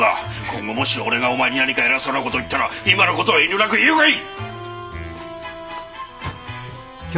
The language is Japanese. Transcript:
今後もし俺がお前に何か偉そうな事を言ったら今の事を遠慮なく言うがいい！